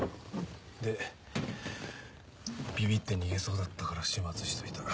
でビビって逃げそうだったから始末しといた。